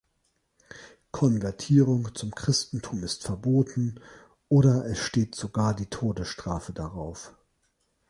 Konvertierung zum Christentum ist verboten, oder es steht sogar die Todesstrafe darauf.